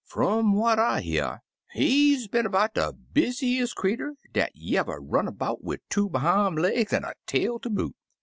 Fum all I hear, he's e'en 'bout de busiest creetur dat yever run 'bout wid two behime legs an' a tail ter boot.